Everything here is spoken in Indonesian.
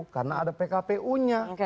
karena ada pkpu nya